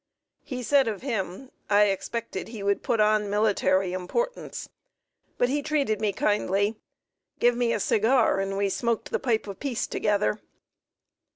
He said of him: "I expected he would put on military importance, but he treated me kindly, give me a cigar, and we smoked the pipe of peace together."